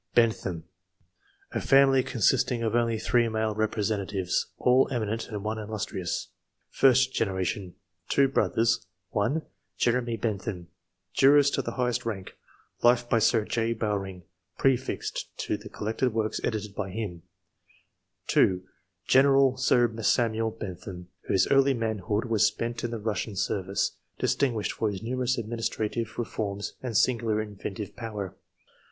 Bentham. — ^A family consisting of only 3 male representatives, all eminent, and one illustrious. First generation. — 2 brothers :— (1) Jeremy Bentham, jurist of the highest rank (life by Sir J. Bowring, prefixed to the collected works edited by him) ; (2) General Sir Samuel Bentham, whose early manhood was spent in the Kussian service ; distinguished for his numerous administrative re forms and singular inventive power.